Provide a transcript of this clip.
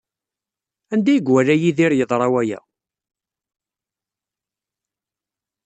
Anda ay iwala Yidir yeḍra waya?